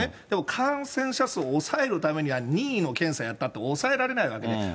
でも、感染者数を抑えるためには、任意の検査やったって、抑えられないわけで。